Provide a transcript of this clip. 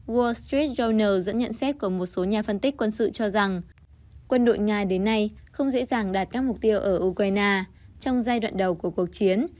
world stress jona dẫn nhận xét của một số nhà phân tích quân sự cho rằng quân đội nga đến nay không dễ dàng đạt các mục tiêu ở ukraine trong giai đoạn đầu của cuộc chiến